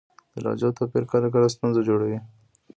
د لهجو توپیر کله کله ستونزه جوړوي.